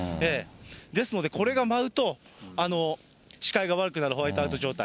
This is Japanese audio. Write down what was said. ですのでこれが舞うと、視界が悪くなるホワイトアウト状態。